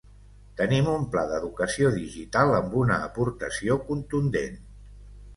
Tenim un pla d’educació digital amb una aportació contundent.